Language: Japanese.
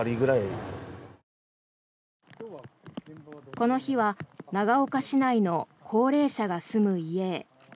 この日は長岡市内の高齢者が住む家へ。